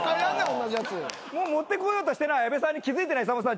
持ってこようとしてない安部さんに気付いてないさんまさん